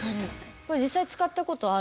これ実際使ったことある？